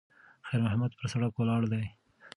خیر محمد پر سړک ولاړ دی.